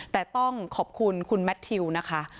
แต่ต้องขอบคุณคุณแมททิวนะคะ